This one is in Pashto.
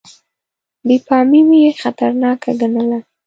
بې پامي یې خطرناکه ګڼله.